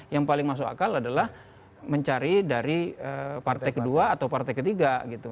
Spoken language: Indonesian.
yang paling masuk akal adalah mencari dari partai ke dua atau partai ke tiga gitu